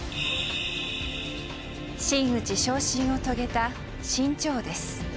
真打ち昇進を遂げた志ん朝です。